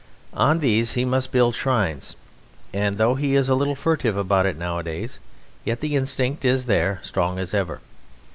On these he must build shrines, and though he is a little furtive about it nowadays, yet the instinct is there, strong as ever.